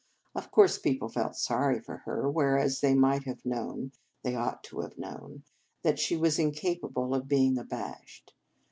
Of course people felt sorry for her, whereas they might have known they ought to have known that she was incapable of being abashed.